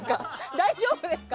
大丈夫ですか？